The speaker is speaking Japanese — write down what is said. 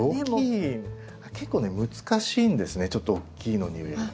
結構ね難しいんですねちょっと大きいのに植えると。